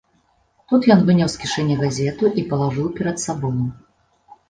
Тут ён выняў з кішэні газету і палажыў перад сабою.